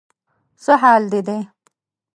څه حال دې دی؟